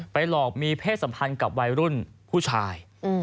หลอกมีเพศสัมพันธ์กับวัยรุ่นผู้ชาย